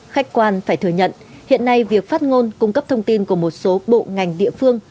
khách quan phải thừa nhận hiện nay việc phát ngôn cung cấp thông tin của một số bộ ngành địa phương